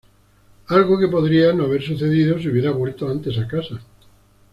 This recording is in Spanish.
Algo que podría no haber sucedido si hubiera vuelto antes a casa.